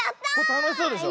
たのしそうでしょ。